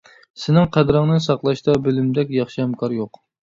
سېنىڭ قەدرىڭنى ساقلاشتا بىلىمدەك ياخشى ھەمكار يوق.